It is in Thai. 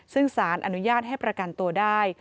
ซึ่งสารอนุญาตให้ประกันตัวได้